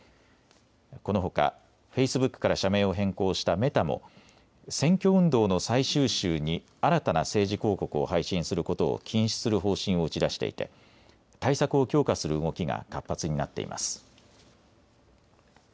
このほかフェイスブックから社名を変更したメタも選挙運動の最終週に新たな政治広告を配信することを禁止する方針を打ち出していて対策を強化する動きが活発になっています。